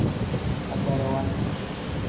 Agbarawa nni.